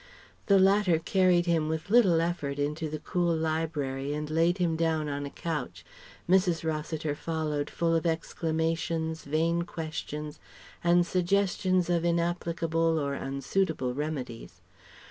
The latter carried him with little effort into the cool library and laid him down on a couch. Mrs. Rossiter followed, full of exclamations, vain questions, and suggestions of inapplicable or unsuitable remedies.